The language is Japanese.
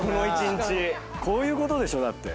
こういうことでしょ？だって。